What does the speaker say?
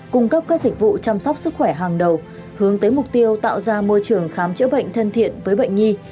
cung cấp các dịch vụ chăm sóc sức khỏe hàng đầu hướng tới mục tiêu tạo ra môi trường khám chữa bệnh thân thiện với bệnh nhi